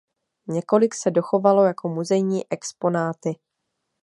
Několik se dochovalo jako muzejní exponáty.